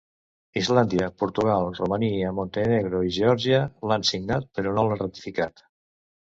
Islàndia, Portugal, Romania, Montenegro i Geòrgia l'han signat però no l'han ratificat.